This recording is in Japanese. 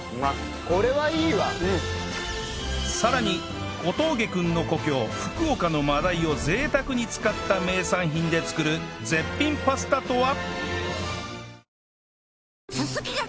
さらに小峠くんの故郷福岡の真鯛を贅沢に使った名産品で作る絶品パスタとは？